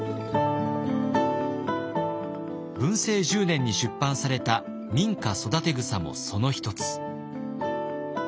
文政１０年に出版された「民家育草」もその一つ。